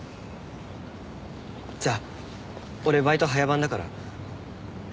じゃあ俺バイト早番だから。